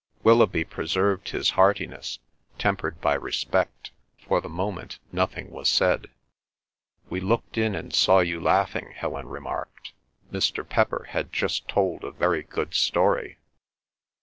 Willoughby preserved his heartiness, tempered by respect. For the moment nothing was said. "We looked in and saw you laughing," Helen remarked. "Mr. Pepper had just told a very good story."